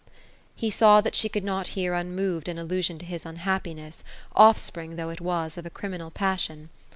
'' He saw that she could not hear unmoved, an allusion to his pnhap piness,— offspring though it was, of a criminal passion.